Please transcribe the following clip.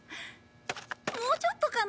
もうちょっとかな？